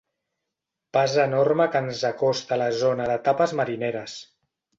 Pas enorme que ens acosta a la zona de tapes marineres.